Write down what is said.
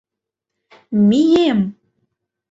Мием!..